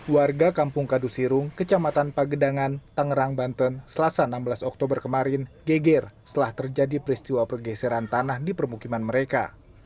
warga kampung kadusirung kecamatan pagedangan tangerang banten selasa enam belas oktober kemarin geger setelah terjadi peristiwa pergeseran tanah di permukiman mereka